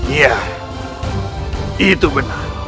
iya itu benar